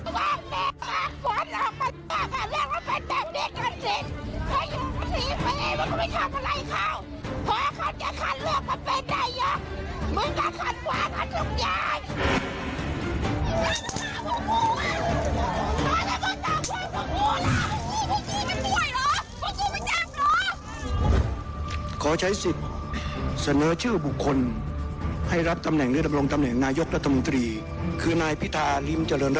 โปรดติดตามตอนต่อไป